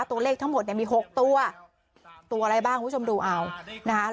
ตัวเลขทั้งหมดเนี่ยมี๖ตัวตัวอะไรบ้างคุณผู้ชมดูเอานะคะ